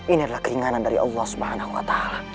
ini adalah keinginan dari allah swt